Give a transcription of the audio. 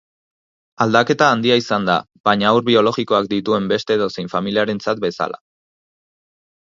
Aldaketa handia izan da, baina haur biologikoak dituen beste edozein familiarentzat bezala.